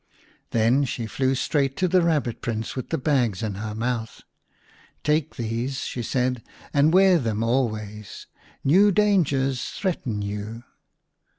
Then she flew straight to the Eabbit Prince with the bags in her mouth. " Take these," said she, " and wear them always. New dangers threaten you."